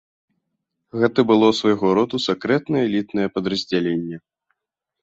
Гэта было свайго роду сакрэтнае элітнае падраздзяленне.